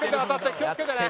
気をつけてね。